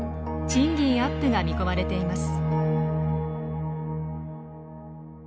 賃金アップが見込まれています。